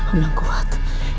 om yang kuat